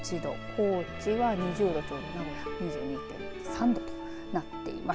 高知は２０度ちょうど名古屋は２２．３度となっています。